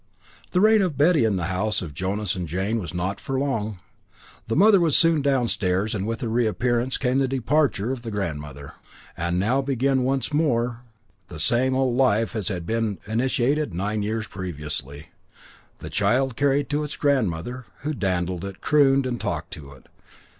The reign of Betty in the house of Jonas and Jane was not for long. The mother was soon downstairs, and with her reappearance came the departure of the grandmother. And now began once more the same old life as had been initiated nine years previously. The child carried to its grandmother, who dandled it, crooned and talked to it.